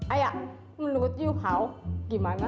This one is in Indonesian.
ayak menurut yu how gimana